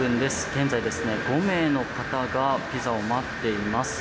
現在、５名の方がピザを待っています。